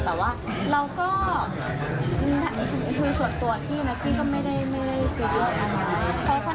แต่เราก็คุยส่วนตัวที่ไม่ได้สรุปมาก